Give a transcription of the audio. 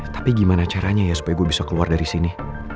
tapi gimana caranya ya supaya gue bisa keluar dari sini